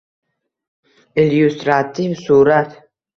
Illyustrativ surat.